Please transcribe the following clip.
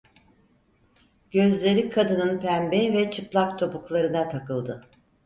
Gözleri kadının pembe ve çıplak topuklarına takıldı.